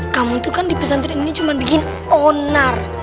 kamu tuh kan di pesantren ini cuma bikin onar